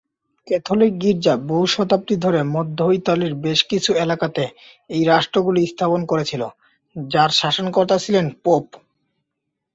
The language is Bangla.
ক্যাথলিক গির্জা বহু শতাব্দী ধরে মধ্য ইতালির বেশ কিছু এলাকাতে এই রাষ্ট্রগুলি স্থাপন করেছিল, যার শাসনকর্তা ছিলেন পোপ।